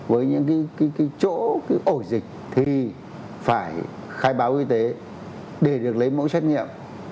với những chỗ ổ dịch thì phải khai báo y tế để được lấy mẫu xét nghiệm